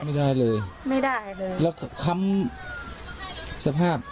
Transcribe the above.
ไม่ได้เลยไม่ได้เลยแล้วก็ค้ำสภาพ